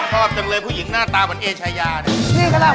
ก็ตั้งเลยผู้หญิงหน้าตาเหมือนเอเชียะครับ